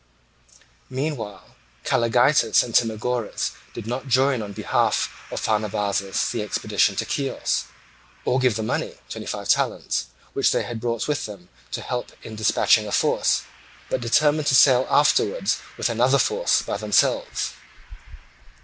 Meanwhile Calligeitus and Timagoras did not join on behalf of Pharnabazus in the expedition to Chios or give the money—twenty five talents—which they had brought with them to help in dispatching a force, but determined to sail afterwards with another force by themselves.